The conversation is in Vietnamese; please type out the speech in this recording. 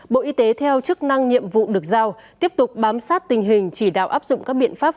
bộ y tế theo chức năng nhiệm vụ được giao tiếp tục bám sát tình hình chỉ đạo áp dụng các biện pháp